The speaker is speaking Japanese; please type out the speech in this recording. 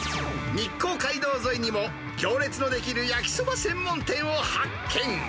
日光街道沿いにも、行列の出来る焼きそば専門店を発見。